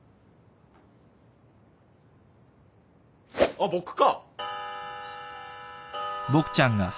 あっ僕か。